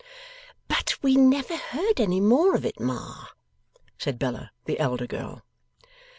'But we never heard any more of it, ma,' said Bella, the elder girl.